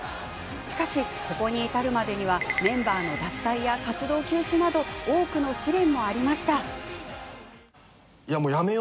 しかし、ここに至るまでにはメンバーの脱退や活動休止など多くの試練もありました。